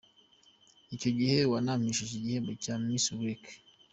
Icyo gihe wanampesheje igihembo Ms Geek.